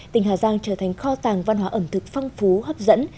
tỉnh hà giang trở thành kho tàng văn hóa ẩm thực phong phú hấp dẫn